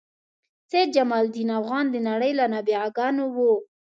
سید جمال الدین افغان د نړۍ له نابغه ګانو و.